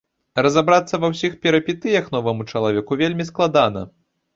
Разабрацца ва ўсіх перыпетыях новаму чалавеку вельмі складана.